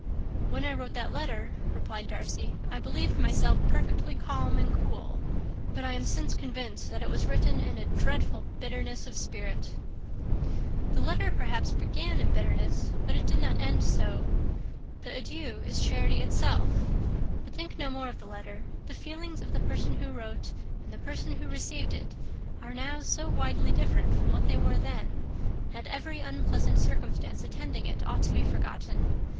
"When I wrote that letter," replied Darcy, "I believed myself perfectly calm and cool; but I am since convinced that it was written in a dreadful bitterness of spirit." "The letter, perhaps, began in bitterness, but it did not end so. The adieu is charity itself. But think no more of the letter. The feelings of the person who wrote and the person who received it are now so widely different from what they were then, that every unpleasant circumstance attending it ought to be forgotten.